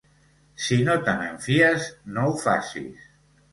Si no te'n fies, no ho facis.